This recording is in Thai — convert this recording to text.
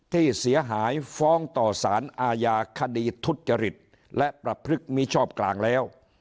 ที่เสียหายฟ้องต่อสารอาญาคดีทุจริตและประพฤติมิชอบกลางแล้ว